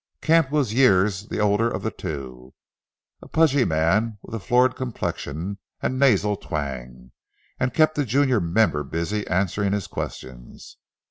Camp was years the older of the two, a pudgy man with a florid complexion and nasal twang, and kept the junior member busy answering his questions.